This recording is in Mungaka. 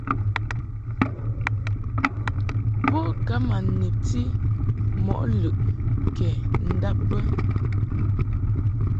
Bo ka ma nebti mɔ lɨʼ kɛ ndab bə.